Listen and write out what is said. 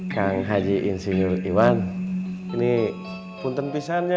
kang haji insinyur iwan ini punten pisahnya